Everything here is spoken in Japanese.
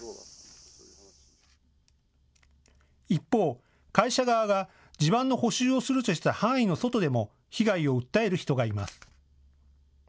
一方、会社側が地盤の補修をするとした範囲の外でも被害を訴える人がいます。